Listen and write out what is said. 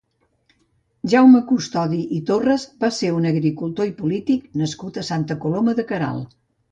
Jaume Custodi i Torres va ser un agricultor i polític nascut a Santa Coloma de Queralt.